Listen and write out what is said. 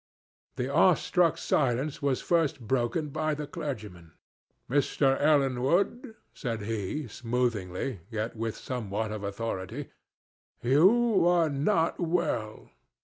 The awestruck silence was first broken by the clergyman. "Mr. Ellenwood," said he, soothingly, yet with somewhat of authority, "you are not well.